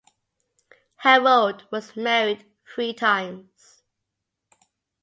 Harold was married three times.